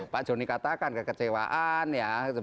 pak joni katakan kekecewaan ya